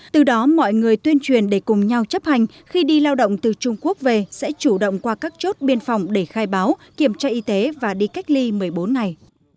từ đó mọi người tuyên truyền để cùng nhau chấp hành khi đi lao động từ trung quốc về sẽ chủ động qua các chốt biên phòng để khai báo kiểm tra y tế và đi cách ly một mươi bốn ngày